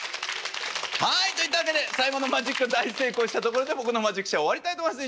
はいといったわけで最後のマジック大成功したところで僕のマジックショーは終わりたいと思います。